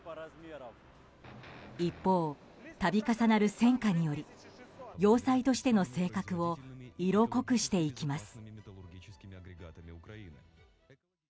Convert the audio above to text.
一方、度重なる戦禍により要塞としての性格を色濃くしていきます。